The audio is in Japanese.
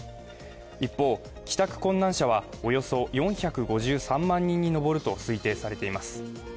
一方、帰宅困難者はおよそ４５３万人に上ると推定されています。